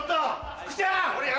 福ちゃんが。